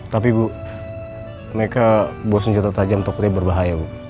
tapi bu mereka bawa senjata tajam tokonya berbahaya bu